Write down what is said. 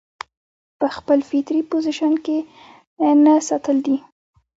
پۀ خپل فطري پوزيشن کښې نۀ ساتل دي